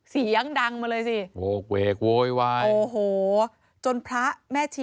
เสียงดังมาเลยสิ